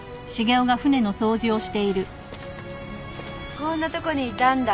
こんなとこにいたんだ。